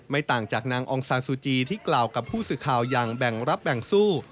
ต่างจากนางองซานซูจีที่กล่าวกับผู้สื่อข่าวอย่างแบ่งรับแบ่งสู้